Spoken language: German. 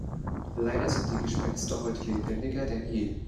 Leider sind die Gespenster heute lebendiger denn je.